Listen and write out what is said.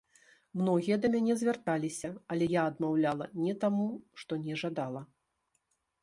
Многія да мяне звярталіся, але я адмаўляла не таму, што не жадала.